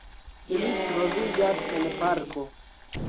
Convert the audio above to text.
Ili troviĝas en parko.